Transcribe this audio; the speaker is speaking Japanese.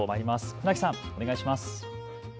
船木さんお願いします。